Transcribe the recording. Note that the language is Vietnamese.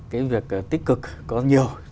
cái việc tích cực có nhiều